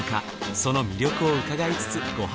その魅力を伺いつつご飯